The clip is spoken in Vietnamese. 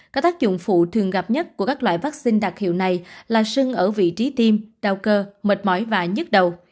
các tác dụng phụ thường gặp nhất của các loại vaccine đặc hiệu này là sưng ở vị trí tiêm đau cơ mệt mỏi và nhức đầu